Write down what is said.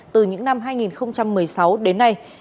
từ những năm hai nghìn một mươi sáu đến nay